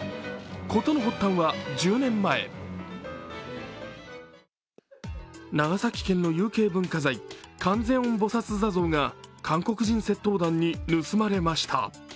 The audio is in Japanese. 事の発端は１０年前、長崎県の有形文化財観世音菩薩坐像が韓国人窃盗団が盗まれました。